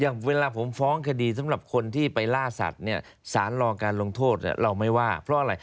อย่างเวลาผมฟ้องคดีสำหรับคนที่ไปล่าสัตว์เนี่ยสารรอการลงโทษเราไม่ว่าเพราะอะไร